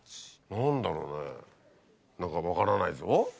何だろうね何か分からないぞ。